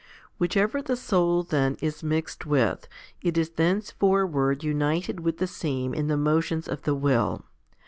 8. Whichever the soul, then, is mixed with, it is thence forward united with the same in the motions of the will.